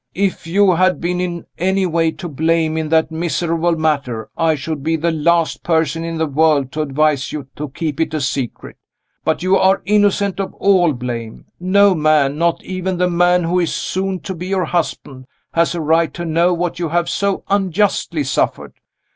if you had been in any way to blame in that miserable matter, I should be the last person in the world to advise you to keep it a secret. But you are innocent of all blame. No man not even the man who is soon to be your husband has a right to know what you have so unjustly suffered.